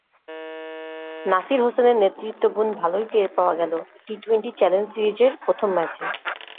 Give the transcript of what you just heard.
নাসির হোসেনের নেতৃত্বগুণ ভালোই টের পাওয়া গেল টি-টোয়েন্টি চ্যালেঞ্জ সিরিজের প্রথম ম্যাচে।